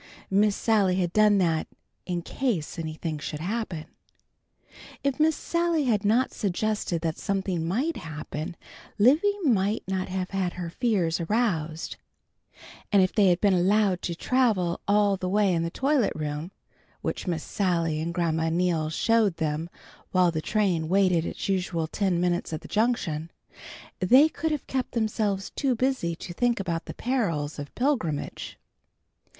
Miss Sally had done that "in case anything should happen." If Miss Sally had not suggested that something might happen, Libby might not have had her fears aroused, and if they had been allowed to travel all the way in the toilet room which Miss Sally and Grandma Neal showed them while the train waited its usual ten minutes at the Junction, they could have kept themselves too busy to think about the perils of pilgrimage.